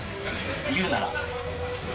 言うなら。